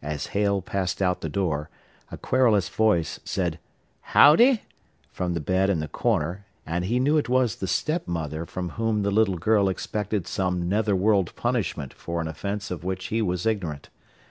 As Hale passed out the door, a querulous voice said "Howdye" from the bed in the corner and he knew it was the step mother from whom the little girl expected some nether world punishment for an offence of which he was ignorant.